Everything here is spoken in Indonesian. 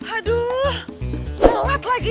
aduh telat lagi